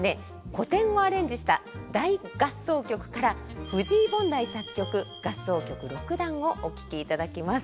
古典をアレンジした大合奏曲から藤井凡大作曲「合奏曲六段」をお聴きいただきます。